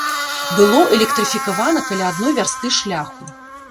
Было электрыфікавана каля адной вярсты шляху.